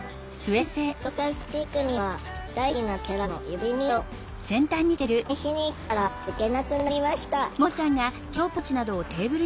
試しにつけたら抜けなくなりました